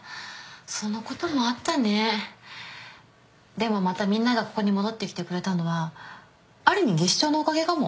でもまたみんながここに戻ってきてくれたのはある意味技師長のおかげかも。